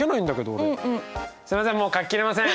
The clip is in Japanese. すいません。